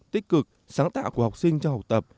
tích cực sáng tạo của học sinh trong học tập